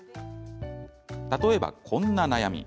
例えば、こんな悩み。